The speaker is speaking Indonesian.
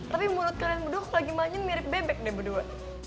tapi mulut kalian berdua lagi majin mirip bebek deh berdua